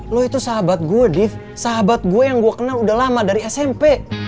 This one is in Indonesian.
lu itu sahabat gue div sahabat gue yang gua kenal udah lama dari smp